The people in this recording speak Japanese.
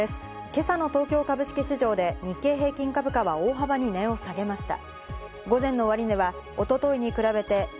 今朝の東京株式市場で日経平均株価は大幅に値を下げました。